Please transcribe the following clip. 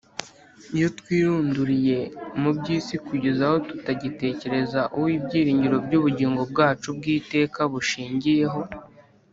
,. Iyo twirunduriye mu by’isi kugeza aho tutagitekereza Uwo ibyiringiro by’ubugingo bwacu bw’iteka bushingiyeho,